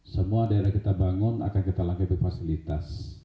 semua daerah kita bangun akan kita lengkapi fasilitas